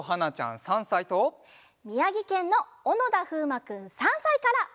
みやぎけんのおのだふうまくん３さいから。